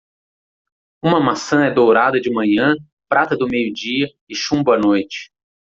Uma maçã é dourada de manhã, prata do meio dia e chumbo à noite.